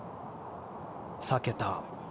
避けた。